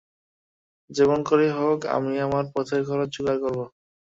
যেমন করেই হোক, আমি আমার পথের খরচ যোগাড় করব।